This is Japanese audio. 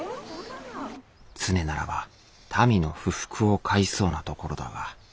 常ならば民の不服を買いそうなところだが。